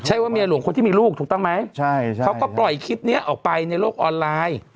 ใช่ว่าเมียหลวงคนที่มีลูกถูกต้องไหมใช่ใช่เขาก็ปล่อยคลิปนี้ออกไปในโลกออนไลน์